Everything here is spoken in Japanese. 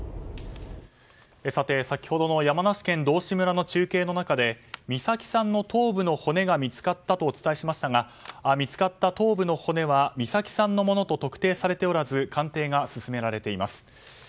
先ほどの山梨県道志村の中継の中で美咲さんの頭部の骨が見つかったとお伝えしましたが見つかった頭部の骨は美咲さんのものと特定されておらず鑑定が進められています。